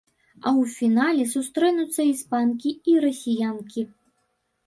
А ў фінале сустрэнуцца іспанкі і расіянкі.